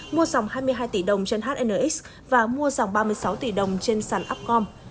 mua dòng hai mươi hai tỷ đồng trên hnx và mua dòng ba mươi sáu tỷ đồng trên sàn upcom